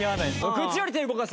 口より手動かせ。